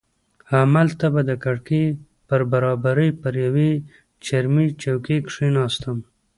همالته به د کړکۍ پر برابري پر یوې چرمي چوکۍ کښېناستم.